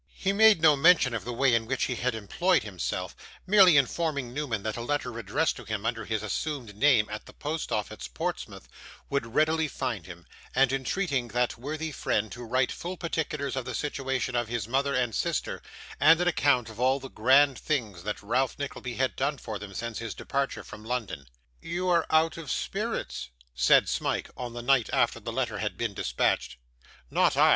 He made no mention of the way in which he had employed himself; merely informing Newman that a letter addressed to him under his assumed name at the Post Office, Portsmouth, would readily find him, and entreating that worthy friend to write full particulars of the situation of his mother and sister, and an account of all the grand things that Ralph Nickleby had done for them since his departure from London. 'You are out of spirits,' said Smike, on the night after the letter had been dispatched. 'Not I!